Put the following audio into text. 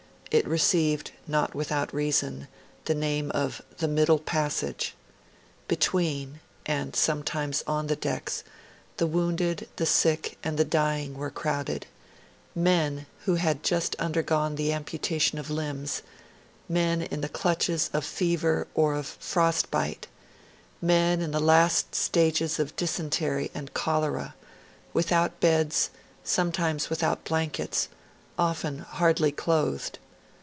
It received, not without reason, the name of the 'middle passage'. Between, and sometimes on the decks, the wounded, the sick, and the dying were crowded men who had just undergone the amputation of limbs, men in the clutches of fever or of frostbite, men in the last stages of dysentry and cholera without beds, sometimes without blankets, often hardly clothed.